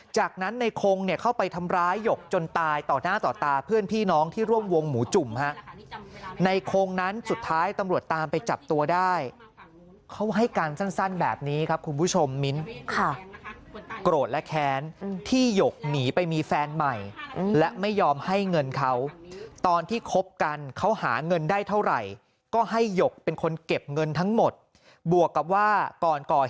จากนั้นในคงเนี่ยเข้าไปทำร้ายหยกจนตายต่อหน้าต่อตาเพื่อนพี่น้องที่ร่วมวงหมูจุ่มฮะในคงนั้นสุดท้ายตำรวจตามไปจับตัวได้เขาให้การสั้นแบบนี้ครับคุณผู้ชมมิ้นค่ะโกรธและแค้นที่หยกหนีไปมีแฟนใหม่และไม่ยอมให้เงินเขาตอนที่คบกันเขาหาเงินได้เท่าไหร่ก็ให้หยกเป็นคนเก็บเงินทั้งหมดบวกกับว่าก่อนก่อเหตุ